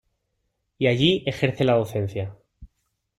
Y allí ejerce la docencia.